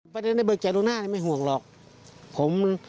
ประเด็นในเบิกเจ๋งล่วงหน้าไม่ห่วงหรอกผม